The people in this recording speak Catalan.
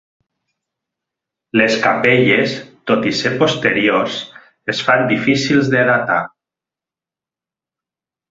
Les capelles, tot i ser posteriors, es fan difícils de datar.